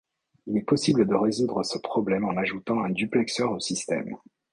Il est possible de résoudre ce problème en ajoutant un duplexeur au système.